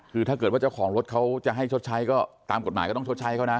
คือถ้าเกิดว่าเจ้าของรถเขาจะให้ชดใช้ก็ตามกฎหมายก็ต้องชดใช้เขานะ